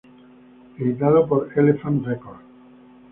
Editado por Elefant Records.